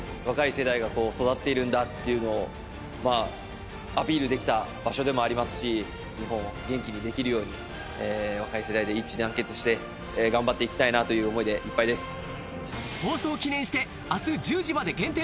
若い世代がこう育っているんだっていうのをまあアピールできた場所でもありますし日本を元気にできるように若い世代で一致団結して頑張っていきたいなという思いでいっぱいです